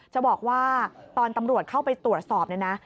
จะบอกว่าตอนตำรวจเข้าไปตรวจสอบเนี่ยนะ